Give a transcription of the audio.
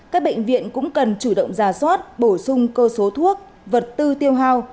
các bệnh viện cũng cần chủ động giả soát bổ sung cơ số thuốc vật tư tiêu hào